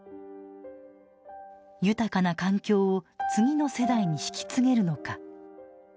「豊かな環境を次の世代に引き継げるのか」。